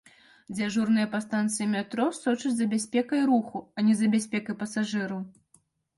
Дзяжурная па станцыі метро сочыць за бяспекай руху, а не за бяспекай пасажыраў.